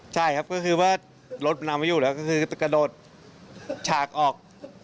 ใช่ครับก็คือว่ารถนำไม่อยู่แล้วก็คือกระโดดฉากออก